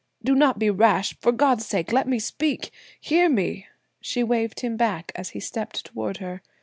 Do not be rash; for God's sake, let me speak, hear me!" She waved him back as he stepped toward her.